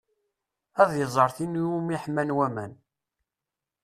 Ad iẓer tin iwumi ḥman waman.